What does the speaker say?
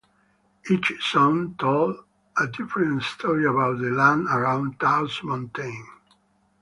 Each song told a different story about the land around Taos Mountain.